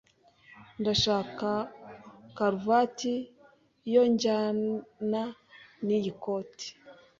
Ndashaka karuvati yojyana niyi koti.